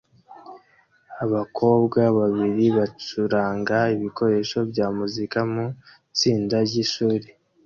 abakobwa babiri bacuranga ibikoresho bya muzika mu itsinda ryishuri